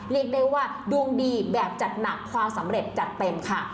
เรียกได้ว่าดวงดีแบบจัดหนักความสำเร็จจัดเต็มค่ะ